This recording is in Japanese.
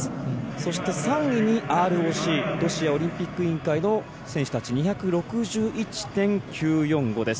そして、３位にＲＯＣロシアオリンピック委員会の選手たち２６１．９４５です。